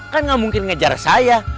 kan gak mungkin ngejar saya